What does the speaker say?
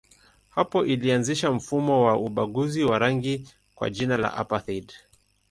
Hapo ilianzisha mfumo wa ubaguzi wa rangi kwa jina la apartheid.